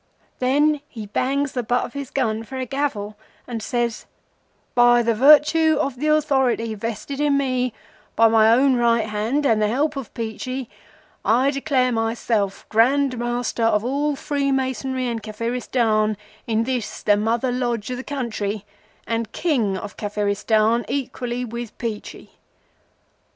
Then he bangs the butt of his gun for a gavel and says:—'By virtue of the authority vested in me by my own right hand and the help of Peachey, I declare myself Grand Master of all Freemasonry in Kafiristan in this the Mother Lodge o' the country, and King of Kafiristan equally with Peachey!